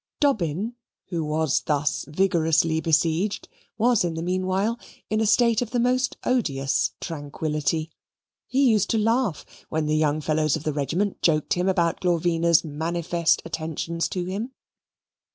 Dobbin, who was thus vigorously besieged, was in the meanwhile in a state of the most odious tranquillity. He used to laugh when the young fellows of the regiment joked him about Glorvina's manifest attentions to him.